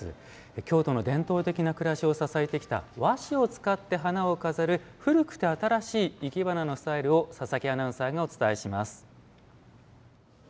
京都の伝統的な暮らしを支えてきた和紙を使って花を飾る古くて新しいいけばなの様子を佐々木アナウンサーがお伝えします。